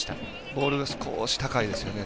ボールが少し高いですよね。